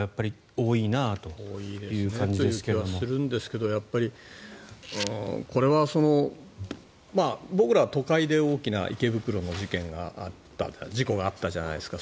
多いですねという気はするんですけどこれは僕らは都会で大きな池袋の事故があったじゃないですか。